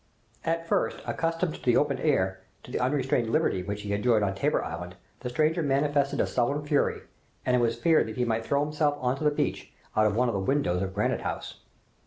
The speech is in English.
At first, accustomed to the open air, to the unrestrained liberty which he had enjoyed on Tabor Island, the stranger manifested a sullen fury, and it was feared that he might throw himself onto the beach, out of one of the windows of Granite House.